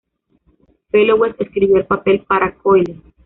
Fellowes escribió el papel para Coyle.